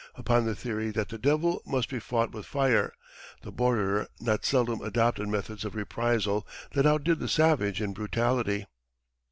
Upon the theory that the devil must be fought with fire, the borderer not seldom adopted methods of reprisal that outdid the savage in brutality.